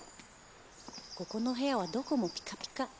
ここの部屋はどこもピカピカ。